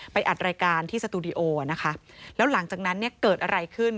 ไปอาจรายการที่สตูดิโอแล้วหลังจากนั้นเกิดอะไรขึ้น